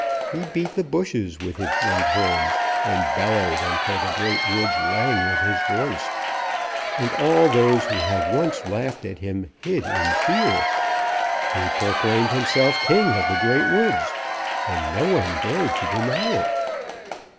He beat the bushes with his great horns and bellowed until the Great Woods rang with his voice, and all those who had once laughed at him hid in fear. He proclaimed himself king of the Great Woods, and no one dared to deny it.